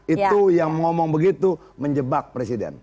itu yang ngomong begitu menjebak presiden